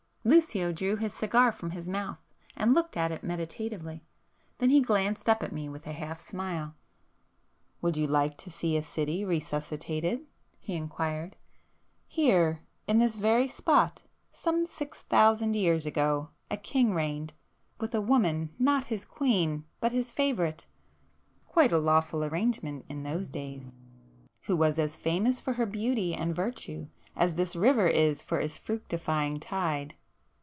Lucio drew his cigar from his mouth and looked at it meditatively. Then he glanced up at me with a half smile— "Would you like to see a city resuscitated?" he inquired—"Here, in this very spot, some six thousand years ago, a king reigned, with a woman not his queen but his favourite, (quite a lawful arrangement in those days) who was as famous for her beauty and virtue, as this river is for its fructifying tide.